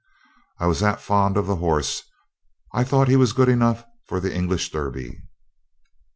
I was that fond of the horse I thought he was good enough for an English Derby.